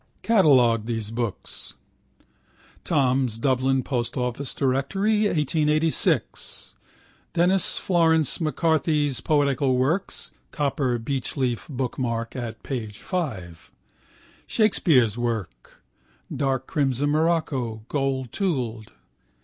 Catalogue these books. Thom's Dublin Post Office Directory, 1886. Denis Florence M'Carthy's Poetical Works (copper beechleaf bookmark at p. 5). Shakespeare's Works (dark crimson morocco, goldtooled).